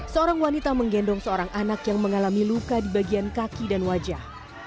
seorang wanita menggendong seorang anak yang mengalami luka di bagian kaki dan wajah